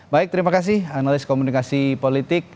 baik terima kasih analis komunikasi politik